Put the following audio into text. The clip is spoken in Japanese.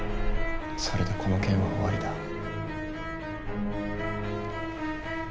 それでこの件は終わりだ。